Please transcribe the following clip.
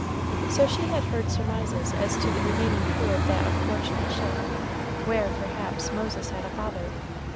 So she had heard surmises as to the remaining crew of that unfortunate ship, where, perhaps, Moses had a father.